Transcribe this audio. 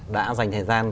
đã dành thời gian